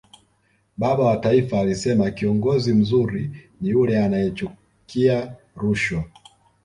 baba wa taifa alisema kiongozi mzuri ni yule anayechukia rushwa